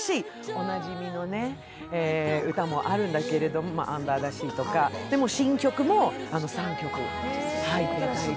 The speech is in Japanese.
おなじみの歌もあるんだけれども、「アンダー・ザ・シー」とか、でも新曲も３曲。